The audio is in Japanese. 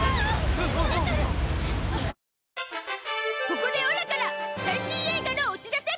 ここでオラから最新映画のお知らせ